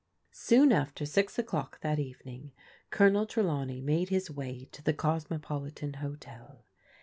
Soon after six o'clock Aat evening Colond Trdawney made his way to the Coanc^wfitan Hotel.